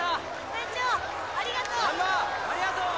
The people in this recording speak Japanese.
会長ありがとう！